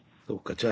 じゃあ。